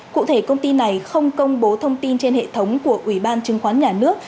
cụ thể công ty này không công bố thông tin trên hệ thống của ủy ban chứng khoán nhà nước